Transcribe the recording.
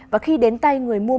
và khi đến tay người mua vàng